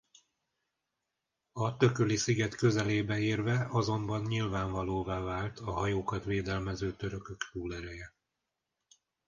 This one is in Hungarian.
A Tököli-sziget közelébe érve azonban nyilvánvalóvá vált a hajókat védelmező törökök túlereje.